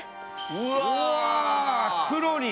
うわ。